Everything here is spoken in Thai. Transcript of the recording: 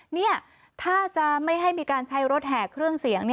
นี่ถ้าจะไม่ให้มีการใช้รถแห่เครื่องเสียง